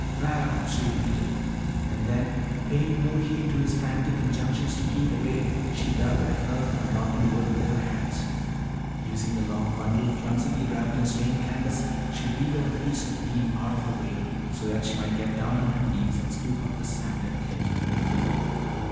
"Val," she repeated, and then, paying no heed to his frantic injunctions to keep away, she dug at earth and rotten wood with her hands. Using the long bundle clumsily wrapped in stained canvas, she levered a piece of beam out of the way so that she might get down on her knees and scoop up the sand and clay.